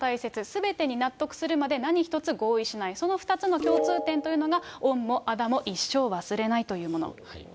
すべてに納得するまで何一つ合意しない、その２つの共通点というのが、恩もあだも一生忘れないというもの。